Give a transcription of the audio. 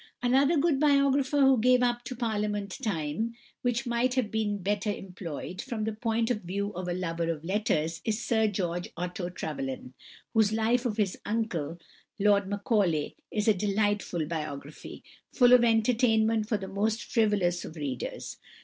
Another good biographer who gave up to Parliament time which might have been better employed, from the point of view of a lover of letters, is =Sir George Otto Trevelyan (1838 )=, whose life of his uncle, Lord Macaulay, is a delightful biography, full of entertainment for the most frivolous of readers.